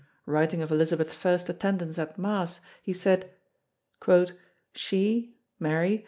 Writing of Elizabeth's first attendance at Mass he said: "she, Mary